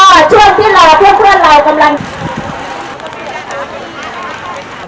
ก็ช่วงที่รอเพื่อนเรากำลัง